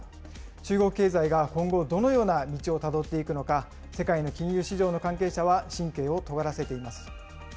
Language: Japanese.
中国経済が今後、どのような道をたどっていくのか、世界の金融市場の関係者は神経をとがらせています。